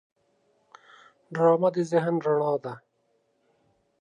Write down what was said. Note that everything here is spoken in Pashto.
ډرامه د ذهن رڼا ده